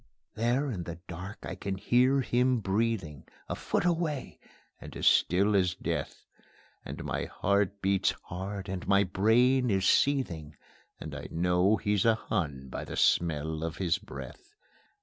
There in the dark I can hear him breathing, A foot away, and as still as death; And my heart beats hard, and my brain is seething, And I know he's a Hun by the smell of his breath.